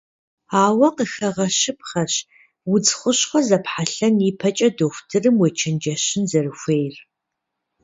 Ауэ къыхэгъэщыпхъэщ, удз хущхъуэ зэпхьэлӏэн ипэкӏэ дохутырым ечэнджэщын зэрыхуейр.